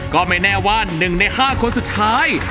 ก็ไม่แน่ว่า๑ใน๕คนสุดท้าย